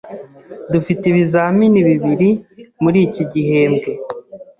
Dufite ibizamini bibiri muri iki gihembwe.